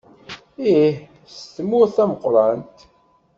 Ih, s tumert tameqqrant.